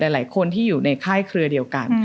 หลายคนที่อยู่ในค่ายเครือเดียวกัน